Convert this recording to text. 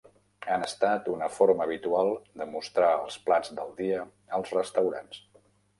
Han estat una forma habitual de mostrar els plats del dia als restaurants.